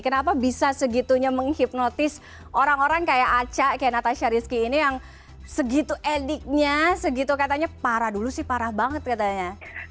kenapa bisa segitunya menghipnotis orang orang kayak aca kayak natasha rizky ini yang segitu ediknya segitu katanya parah dulu sih parah banget katanya